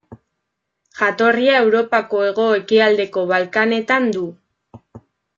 Jatorria Europako hego-ekialdeko Balkanetan du.